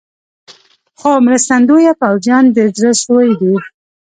خو مرستندویه پوځیان د زړه سوي دي.